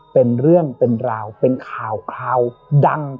เป็นเรื่องเป็นราวเป็นข่าวคราวดัง